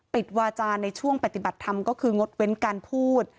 วาจาในช่วงปฏิบัติธรรมก็คืองดเว้นการพูด